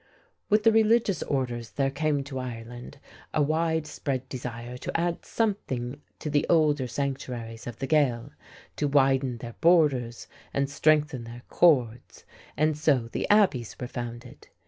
With the religious orders there came to Ireland a widespread desire to add something to the older sanctuaries of the Gael, to widen their borders and strengthen their cords, and so the abbeys were founded.